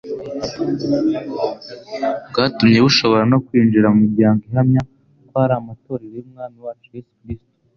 bwatumye bushobora no kwinjira mu miryango ihamya ko ari amatorero y'Umwami wacu Yesu Kristo.